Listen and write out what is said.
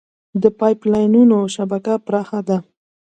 د پایپ لاینونو شبکه پراخه ده.